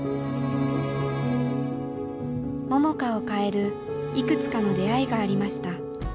桃佳を変えるいくつかの出会いがありました。